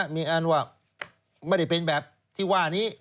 มีอันว่าไม่ได้เป็นแบบที่ว่านี้